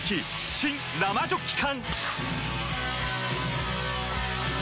新・生ジョッキ缶！